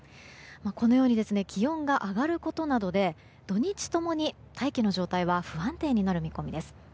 このように気温が上がることなどで土日共に大気の状態は不安定になる見込みです。